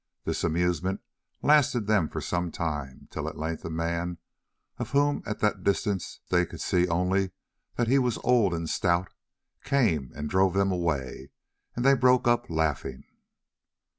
This amusement lasted them for some time, till at length a man, of whom at that distance they could see only that he was old and stout, came and drove them away, and they broke up laughing.